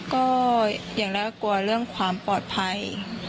ก็อย่างแรกก็กลัวเรื่องความปลอดภัย